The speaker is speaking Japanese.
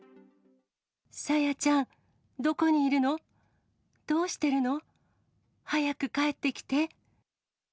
朝芽ちゃん、どこにいるの、どうしてるの、早く帰ってきて。